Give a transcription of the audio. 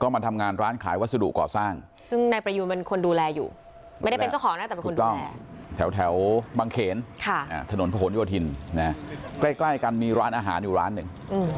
เมื่อก่อนพี่ให้กันมีร้านอาหารอยู่ร้านหนึ่ง